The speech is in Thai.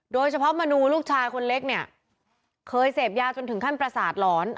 มนูลูกชายคนเล็กเนี่ยเคยเสพยาจนถึงขั้นประสาทหลอน